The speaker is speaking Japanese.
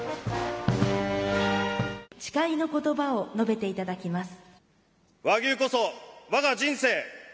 誓いのことばを述べていただきます。